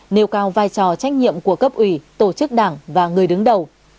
nêu cao vai trò trách nhiệm của cấp ủy tổ chức đảng và người đứng đầu